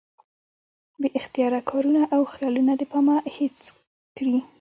بې اختياره کارونه او خيالونه د پامه هېڅ کړي